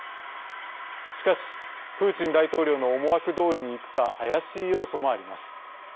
しかし、プーチン大統領の思惑どおりにいくか怪しい要素もあります。